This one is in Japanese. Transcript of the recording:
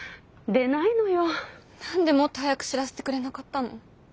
何でもっと早く知らせてくれなかったの。